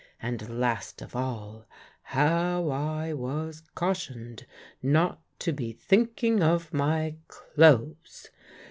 and, last of all, how I was cautioned not to be thinking of my clothes!